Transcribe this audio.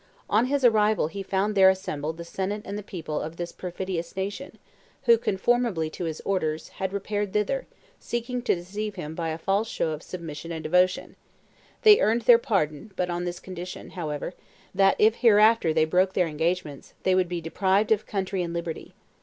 On his arrival he found there assembled the senate and people of this perfidious nation, who, conformably to his orders, had repaired thither, seeking to deceive him by a false show of submission and devotion. ... They earned their pardon, but on this condition, however, that, if hereafter they broke their engagements, they would be deprived of country and liberty.